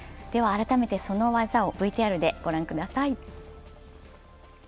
では改めてその技をＶＴＲで御覧ください。